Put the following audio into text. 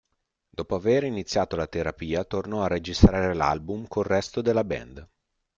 Dopo aver iniziato la terapia tornò a registrare l'album col resto della band.